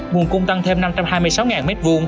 nguồn cung tăng thêm năm trăm hai mươi sáu m hai